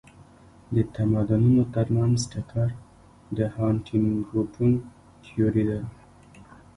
د تمدنونو ترمنځ ټکر د هانټینګټون تيوري ده.